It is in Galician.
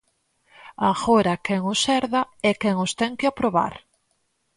Agora quen os herda é quen os ten que aprobar.